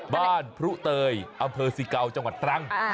พรุเตยอำเภอสิเกาจังหวัดตรัง